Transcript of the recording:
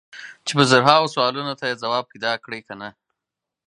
چې په زرهاوو سوالونو ته یې ځواب پیدا کړی که نه.